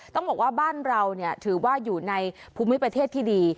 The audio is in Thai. ต้องบอกว่าบ้านเราถือว่าอยู่ในภูมิประเทศที่ดี